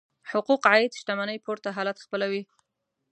حقوق عاید شتمنۍ پورته حالت خپلوي.